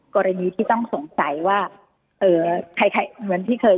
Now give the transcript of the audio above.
กรณีที่ต้องสงสัยว่าเอ่อใครเหมือนที่เคย